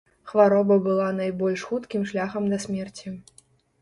Хвароба была найбольш хуткім шляхам да смерці.